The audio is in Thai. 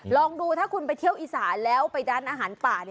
ลองดูถ้าคุณไปเที่ยวอีสานแล้วไปร้านอาหารป่า